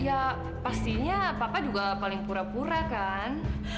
ya pastinya apakah juga paling pura pura kan